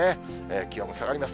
気温も下がります。